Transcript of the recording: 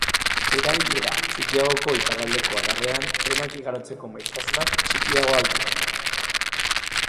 Erabilera txikiagoko iparraldeko adarrean trenak igarotzeko maiztasunak txikiagoak dira.